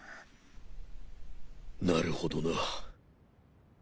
なるほどな。